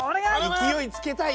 勢いつけたい。